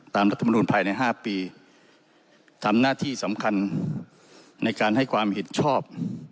รัฐมนุนภายใน๕ปีทำหน้าที่สำคัญในการให้ความเห็นชอบ